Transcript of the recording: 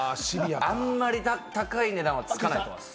あんまり高い値段はつかないと思います。